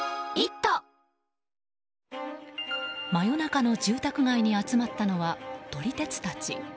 真夜中の住宅街に集まったのは撮り鉄たち。